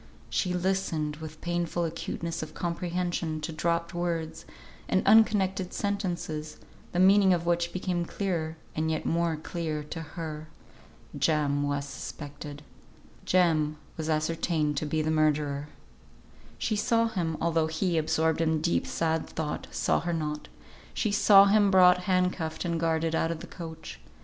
She listened with painful acuteness of comprehension to dropped words and unconnected sentences, the meaning of which became clearer, and yet more clear to her. Jem was suspected. Jem was ascertained to be the murderer. She saw him (although he, absorbed in deep sad thought, saw her not), she saw him brought hand cuffed and guarded out of the coach.